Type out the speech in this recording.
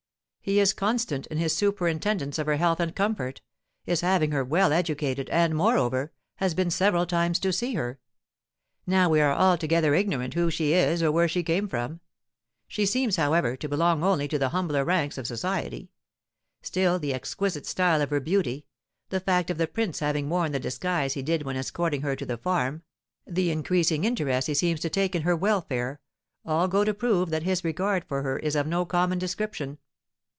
He is constant in his superintendence of her health and comfort; is having her well educated, and, moreover, has been several times to see her. Now we are altogether ignorant who she is or where she came from; she seems, however, to belong only to the humbler ranks of society; still, the exquisite style of her beauty, the fact of the prince having worn the disguise he did when escorting her to the farm, the increasing interest he seems to take in her welfare, all go to prove that his regard for her is of no common description.